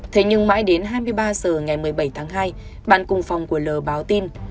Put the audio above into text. thế nhưng mãi đến hai mươi ba h ngày một mươi bảy tháng hai bạn cùng phòng của l báo tin